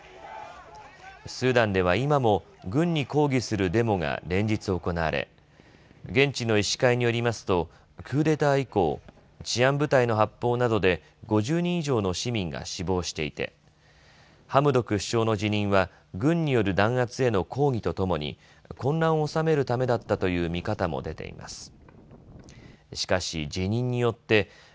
スーダンでは今も軍に抗議するデモが連日行われ現地の医師会によりますとクーデター以降治安部隊の発砲など５０人以上の市民が死亡していてハムドク首相の辞任は軍による弾圧への抗議とともに混乱を収めるためだったという見方も出ています。